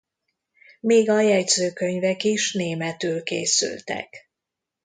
Még a jegyzőkönyvek is németül készültek.